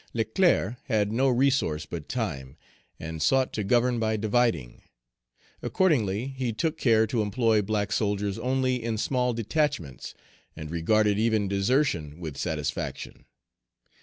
Leclerc had no resource but time, and sought to govern by dividing. Accordingly, he took care to employ black soldiers only in small detachments, and regarded even desertion with satisfaction.